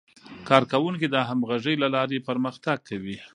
کارکوونکي د همغږۍ له لارې پرمختګ کوي